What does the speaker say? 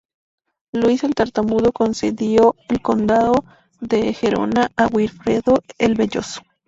Luis el Tartamudo concedió el condado de Gerona a Wifredo el Velloso.